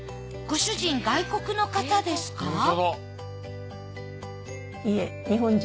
ご主人外国の方ですか？